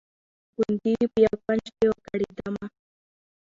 ګوندي وي په یوه کونج کي وکړي دمه